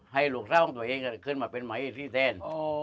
ให้ลูกสาวของตัวเองขึ้นมาเป็นไหมเอฟซีแทน